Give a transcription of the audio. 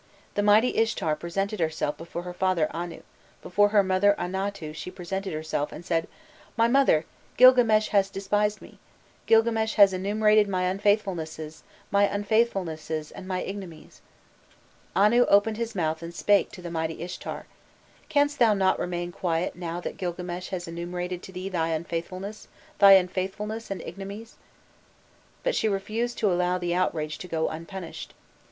The mighty Ishtar presented herself before her father Anu, before her mother Anatu she presented herself, and said: 'My father, Grilgames has despised me. Grilgames has enumerated my unfaithfulnesses, my unfaithfulnesses and my ignominies.' Anu opened his mouth and spake to the mighty Ishtar: 'Canst thou not remain quiet now that Gilgames has enumerated to thee thy unfaithfulnesses, thy unfaithfulnesses and ignominies?'" But she refused to allow the outrage to go unpunished.